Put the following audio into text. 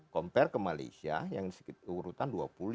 compare ke malaysia yang urutan dua puluh lima